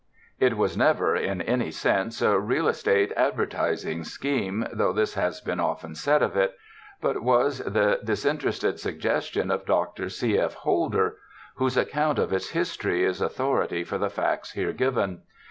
It was never, in any sense, a real estate advertising scheme, though this has been often said of it ; but was the disinter ested suggestion of Dr. C. F. Holder, whose account of its history is authority for the facts here given.